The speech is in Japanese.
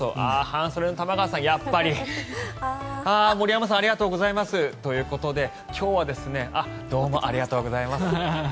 半袖の玉川さん、やっぱり森山さん、ありがとうございますということでどうもありがとうございます。